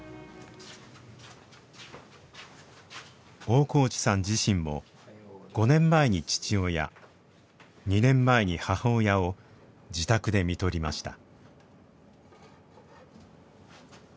大河内さん自身も５年前に父親２年前に母親を自宅でみとりました。